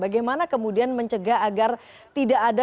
bagaimana kemudian mencegah agar tidak ada